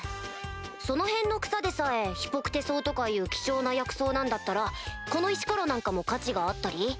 その辺の草でさえヒポクテ草とかいう希少な薬草なんだったらこの石ころなんかも価値があったり？